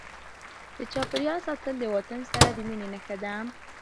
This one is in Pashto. د چاپیریال ساتل د وطن سره د مینې نښه ده.